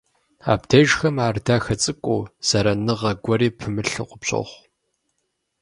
Абдежхэм ар дахэ цӀыкӀуу, зэраныгъэ гуэри пымылъу къыпщохъу.